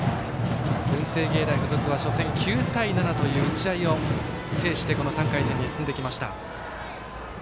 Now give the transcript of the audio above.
文星芸大付属は初戦９対７という打ち合いを制して３回戦に進んできました。